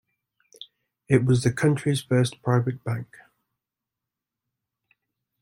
It was the country's first private bank.